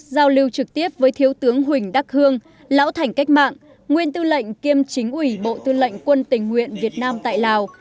giao lưu trực tiếp với thiếu tướng huỳnh đắc hương lão thành cách mạng nguyên tư lệnh kiêm chính ủy bộ tư lệnh quân tình nguyện việt nam tại lào